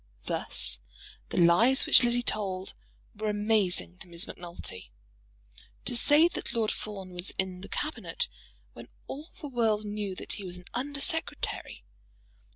Thus the lies which Lizzie told were amazing to Miss Macnulty. To say that Lord Fawn was in the Cabinet, when all the world knew that he was an Under Secretary!